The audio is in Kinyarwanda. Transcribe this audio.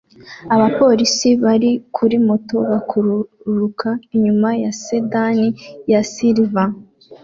Abapolisi bari kuri moto bakururuka inyuma ya sedan ya silver